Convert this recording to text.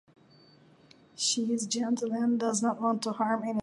She is gentle and does not want to harm anything.